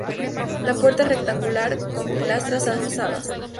La puerta es rectangular, con pilastras adosadas.